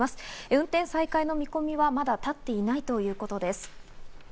運転再開の見込みはまだ立っていないということです。